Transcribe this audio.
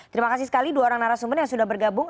terima kasih sekali dua orang narasumber yang sudah bergabung